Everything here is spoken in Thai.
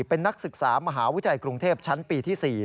เป็นนักศึกษามหาวิทยาลัยกรุงเทพชั้นปีที่๔